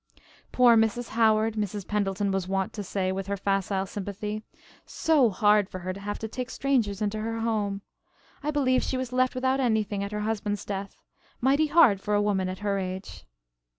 "Poor Mrs. Howard," Mrs. Pendleton was wont to say with her facile sympathy. "So hard for her to have to take strangers into her home. I believe she was left without anything at her husband's death; mighty hard for a woman at her age."